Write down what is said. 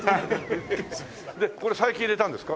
これ最近入れたんですか？